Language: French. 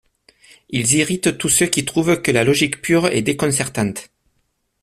Ils irritent tous ceux qui trouvent que la logique pure est déconcertante.